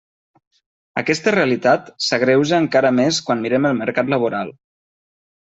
Aquesta realitat s'agreuja encara més quan mirem el mercat laboral.